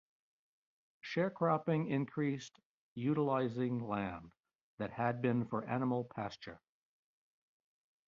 Sharecropping increased utilising land that had been for animal pasturage.